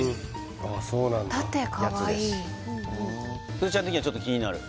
すずちゃん的にはちょっと気になる？